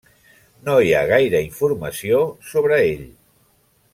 No hi ha gaire informació sobre ell.